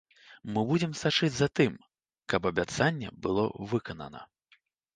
Мы будзем сачыць за тым, каб абяцанне было выканана.